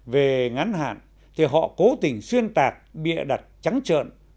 về ngắn hạn thì họ cố tình xuyên tạc bịa đặt trắng trợn